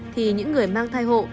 thì những người mang thai hộ